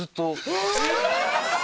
えすごい！